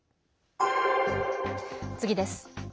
次です。